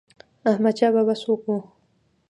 احمد شاه بابا څوک و؟